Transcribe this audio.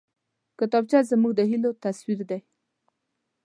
کتابچه زموږ د هيلو تصویر دی